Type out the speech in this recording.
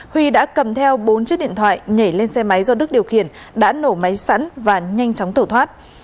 huy đã cầm theo bốn chiếc điện thoại nhảy lên xe máy do đức điều khiển đã nổ máy sẵn và nhanh chóng tổ thoát